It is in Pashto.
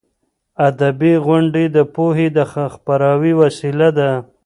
ادبي غونډې د پوهې د خپراوي وسیله ده.